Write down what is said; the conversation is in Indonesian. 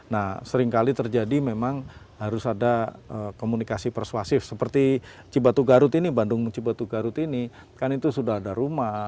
nah seringkali terjadi memang harus ada komunikasi persuasif seperti cibatu garut ini bandung cibatu garut ini kan itu sudah ada rumah